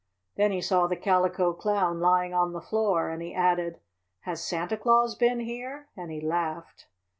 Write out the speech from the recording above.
Then he saw the Calico Clown lying on the floor and he added: "Has Santa Claus been here?" and he laughed.